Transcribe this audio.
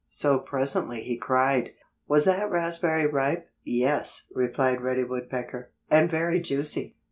So presently he cried: "Was that raspberry ripe?" "Yes," replied Reddy Woodpecker, "and very juicy."